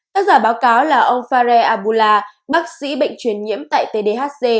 các giả báo cáo là ông fahre aboula bác sĩ bệnh truyền nhiễm tại tdhc